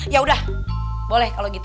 yaudah boleh kalau gitu